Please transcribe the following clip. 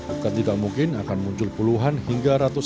akan tidak mungkin akan muncul puluhan hingga ratusan